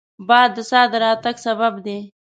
باد د سا د راتګ سبب دی